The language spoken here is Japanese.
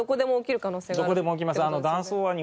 どこでも起きます。